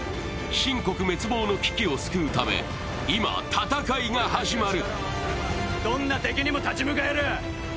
秦国滅亡の危機を救うため、今、戦いが始まる。